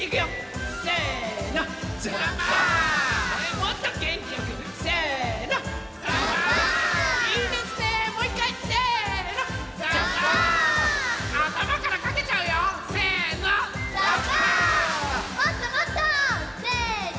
もっともっと！せの！